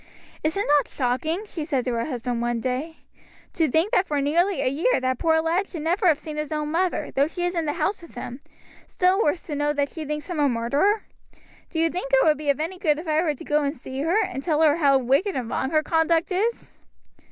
"Is it not shocking," she said to her husband one day, "to think that for nearly a year that poor lad should never have seen his own mother, though she is in the house with him, still worse to know that she thinks him a murderer? Do you think it would be of any good if I were to go and see her, and tell her how wicked and wrong her conduct is?"